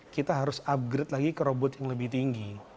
kita harus upgrade lagi ke robot yang lebih tinggi